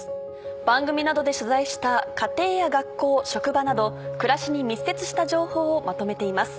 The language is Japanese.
番組などで取材した家庭や学校職場など暮らしに密接した情報をまとめています。